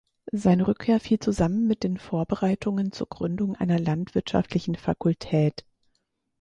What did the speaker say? Seine Rückkehr fiel zusammen mit den Vorbereitungen zur Gründung einer Landwirtschaftlichen Fakultät.